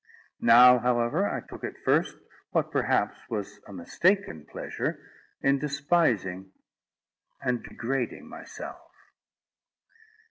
Now, however, I took, at first, what perhaps was a mistaken pleasure, in despising and degrading myself.